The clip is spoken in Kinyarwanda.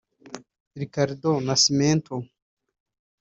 Ricardo Nascimento